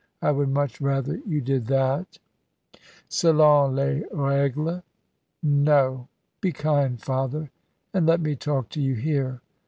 I would much rather you did that." "Selon les règles. No! Be kind, Father, and let me talk to you here.